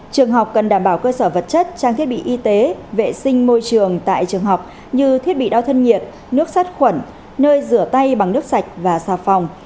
trường học cần đảm bảo cơ sở vật chất trang thiết bị y tế vệ sinh môi trường tại trường học như thiết bị đo thân nhiệt nước sát khuẩn nơi rửa tay bằng nước sạch và xà phòng